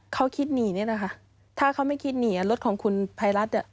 เขาคิดหนีนี่แหละค่ะถ้าเขาไม่คิดหนีอ่ะรถของคุณไพรัสอ่ะ